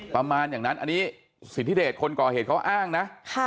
ประมาณอย่างนั้นอันนี้สิทธิเดชคนก่อเหตุเขาอ้างนะ